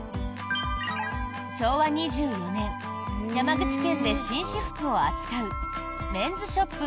昭和２４年、山口県で紳士服を扱うメンズショップ